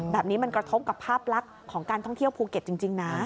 แบบนี้มันกระทบกับภาพลักษณ์ของการท่องเที่ยวภูเก็ตจริงนะ